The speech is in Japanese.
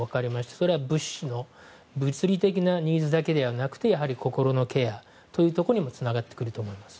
それは物資の物理的なニーズだけではなくて心のケアというところにもつながってくると思います。